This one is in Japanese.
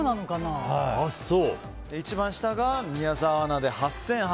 一番下が宮澤アナで８８００円。